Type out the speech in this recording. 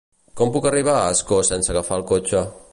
Com puc arribar a Ascó sense agafar el cotxe?